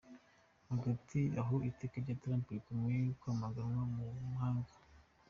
Hagati aho iteka rya Trump rikomeje kwamaganwa mu mahanga.